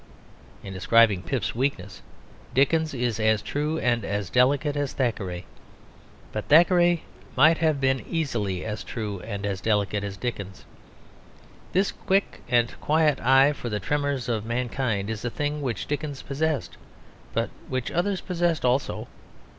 In describing Pip's weakness Dickens is as true and as delicate as Thackeray. But Thackeray might have been easily as true and as delicate as Dickens. This quick and quiet eye for the tremors of mankind is a thing which Dickens possessed, but which others possessed also.